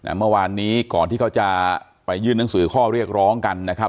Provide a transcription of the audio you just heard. เมื่อวานนี้ก่อนที่เขาจะไปยื่นหนังสือข้อเรียกร้องกันนะครับ